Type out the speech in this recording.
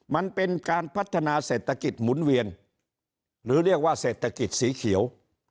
มันเป็นการพัฒนาเศรษฐกิจหมุนเวียนหรือเรียกว่าเศรษฐกิจสีเขียว